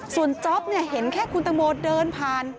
ส่วนจ๊อปเห็นแค่คุณตังโมเดินผ่าน